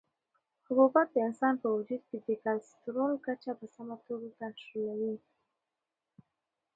حبوبات د انسان په وجود کې د کلسترولو کچه په سمه توګه کنټرولوي.